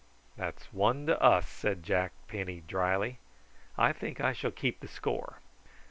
"That's one to us," said Jack Penny drily. "I think I shall keep the score."